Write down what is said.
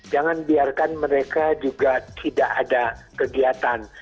jangan biarkan mereka juga tidak ada kegiatan